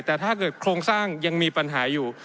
แต่ถ้าเกิดโครงสร้างยังมีปัญหาอยู่